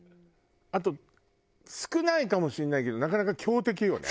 あと少ないかもしんないけどなかなか強敵よね。